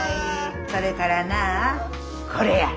それからなこれや。